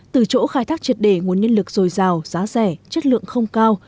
từ chỗ khai thác triệt đề nguồn nhân lực dồi dào giá rẻ chất lượng không cao